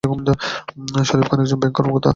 শরীফ খান একজন ব্যাংক কর্মকর্তা।